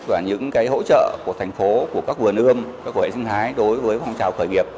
và những hỗ trợ của thành phố của các vườn ươm các của hệ sinh thái đối với phong trào khởi nghiệp